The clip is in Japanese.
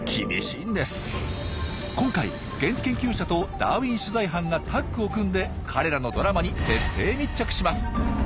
今回現地研究者とダーウィン取材班がタッグを組んで彼らのドラマに徹底密着します。